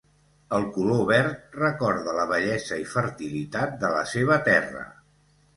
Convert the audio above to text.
El color verd recorda la bellesa i fertilitat de la seva terra.